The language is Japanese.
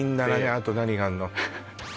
あと何があるの？